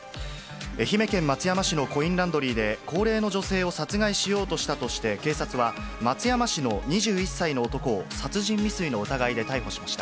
愛媛県松山市のコインランドリーで、高齢の女性を殺害しようとしたとして、警察は松山市の２１歳の男を殺人未遂の疑いで逮捕しました。